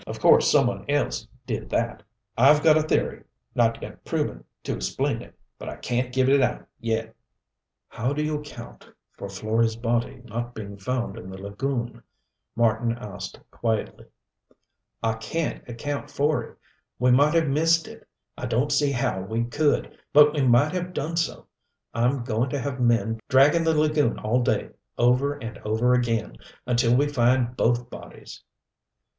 "Of course some one else did that. I've got a theory not yet proven to explain it, but I can't give it out yet." "How do you account for Florey's body not being found in the lagoon?" Marten asked quietly. "I can't account for it. We might have missed it I don't see how we could, but we might have done so. I'm going to have men dragging the lagoon all day, over and over again until we find both bodies."